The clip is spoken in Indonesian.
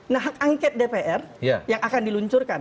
nah hak angket dpr yang akan diluncurkan